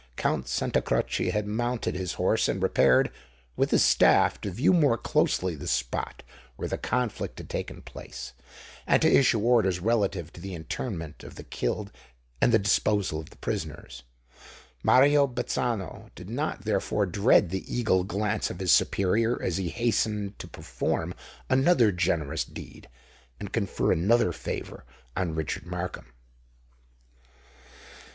Count Santa Croce had mounted his horse and repaired, with his staff, to view more closely the spot where the conflict had taken place, and to issue orders relative to the interment of the killed and the disposal of the prisoners. Mario Bazzano did not therefore dread the eagle glance of his superior, as he hastened to perform another generous deed and confer another favour on Richard Markham.